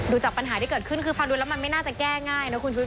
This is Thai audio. จากปัญหาที่เกิดขึ้นคือฟังดูแล้วมันไม่น่าจะแก้ง่ายนะคุณชุวิ